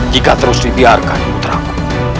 jika terus dibiarkan putraku